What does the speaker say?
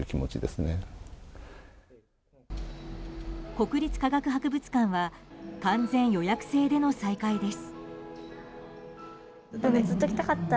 国立科学博物館は完全予約制での再開です。